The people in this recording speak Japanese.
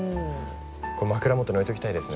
これ枕元に置いときたいですね。